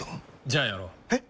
じゃあやろう。え？